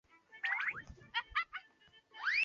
大家一定要严格遵照执行